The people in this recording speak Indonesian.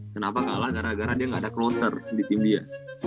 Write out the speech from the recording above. kenapa kalah gara gara dia gak ada clouser di tim dia